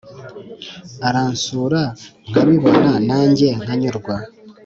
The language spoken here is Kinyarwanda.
Uransura nkabibona nanjye nkanyurwa